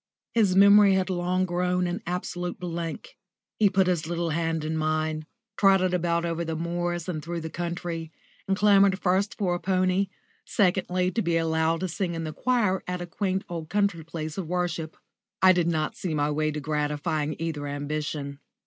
His memory had long grown an absolute blank. He put his little hand in mine, trotted about over the moors and through the country, and clamoured first for a pony, secondly to be allowed to sing in the choir at a quaint old country place of worship. I did not see my way to gratifying either ambition.